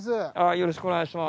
よろしくお願いします。